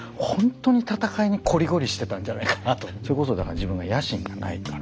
それこそだから自分が野心がないから。